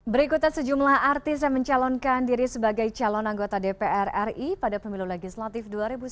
berikutan sejumlah artis yang mencalonkan diri sebagai calon anggota dpr ri pada pemilu legislatif dua ribu sembilan belas